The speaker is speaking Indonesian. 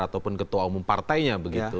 ataupun ketua umum partainya